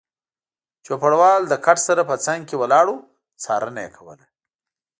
چوپړوال له کټ سره په څنګ کې ولاړ و، څارنه یې کوله.